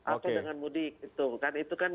atau dengan mudik